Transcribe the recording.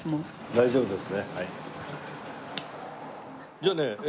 大丈夫です。